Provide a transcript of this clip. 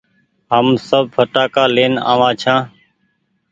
هم سب ڦٽآ ڪآ لين آ وآن ڇآن